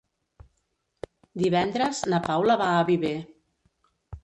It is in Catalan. Divendres na Paula va a Viver.